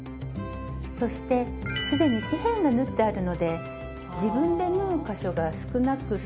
そして既に四辺が縫ってあるので自分で縫う箇所が少なく済むんですよね。